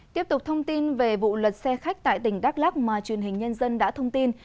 tiếp tục thông tin về vụ lật xe khách tại tỉnh đắk lắc mà truyền hình nhân dân đã thông tin